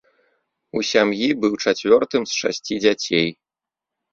У сям'і быў чацвёртым з шасці дзяцей.